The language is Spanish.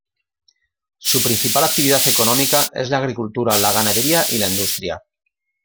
Su principal actividad económica es la agricultura, la ganadería y la industria.